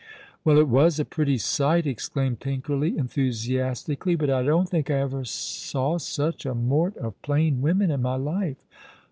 "Well, it was a pretty sight," exclaimed Tinkerly, enthu siastically ;'' but I don't think I ever saw such a mort of plain women in my life."